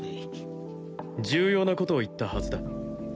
重要な事を言ったはずだ。